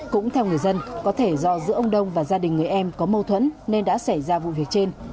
cũng theo người dân có thể do giữa ông đông và gia đình người em có mâu thuẫn nên đã xảy ra vụ việc trên